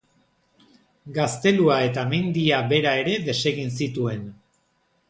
Gaztelua eta mendia bera ere desegin zituen.